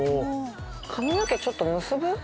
髪の毛ちょっと結ぶ？